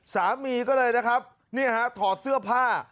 สามีก็เลยถอดเสื้อผ้า